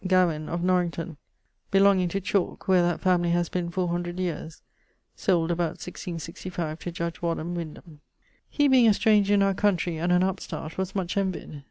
Gawen, of Norrington, belonging to Chalke, where that family haz been 400 yeares (sold about 1665 to Judge Wadham Windham). He being a stranger in our country, and an upstart, was much envyed.